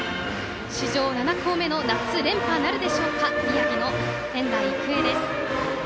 史上７校目の夏連覇なるでしょうか宮城の仙台育英です。